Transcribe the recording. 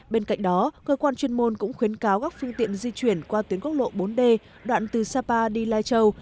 bên cạnh đó cơ quan chuyên môn cũng khuyến cáo các phương tiện di chuyển qua tuyến quốc lộ bốn d đoạn từ sapa đi lai châu